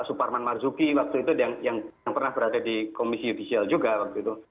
suparman marzuki waktu itu yang pernah berada di komisi yudisial juga waktu itu